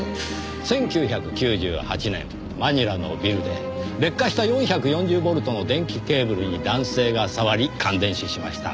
１９９８年マニラのビルで劣化した４４０ボルトの電気ケーブルに男性が触り感電死しました。